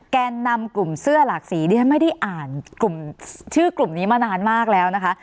แกนนำกลุ่มเสื้อหลากสีดิฉันไม่ได้อ่านกลุ่มชื่อกลุ่มนี้มานานมากแล้วนะคะ